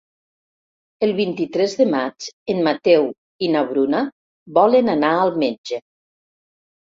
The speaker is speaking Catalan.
El vint-i-tres de maig en Mateu i na Bruna volen anar al metge.